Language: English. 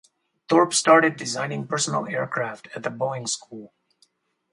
Thorp started designing personal aircraft at the Boeing School.